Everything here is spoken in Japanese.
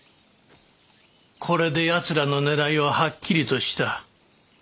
これで奴らの狙いははっきりとした。